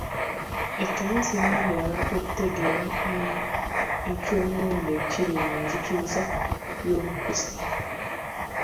Ekkanisa eyambye abantu okutegeera eky'omuwendo ekiri mu nzikiriza y'obukrisitu.